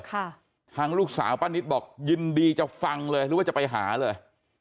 ทางลูกสาวป้านิตบอกยินดีจะฟังเลยหรือว่าจะไปหาเลย